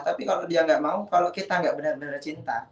tapi kalau dia nggak mau kalau kita nggak benar benar cinta